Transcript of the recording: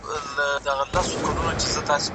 هر کوچنى شل افغانۍ لري.